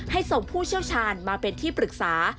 ส่งผู้เชี่ยวชาญมาเป็นที่ปรึกษา